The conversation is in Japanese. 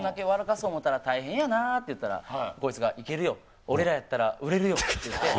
そうと思ったら大変やなって言ったら、こいつが、いけるよ、俺らやったら売れるよっていって。